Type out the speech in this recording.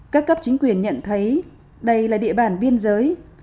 các cấp chính quyền nhận thấy đây là địa bàn biên giới